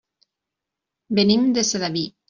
Venim de Sedaví.